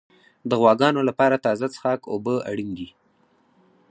د غواګانو لپاره تازه څښاک اوبه اړین دي.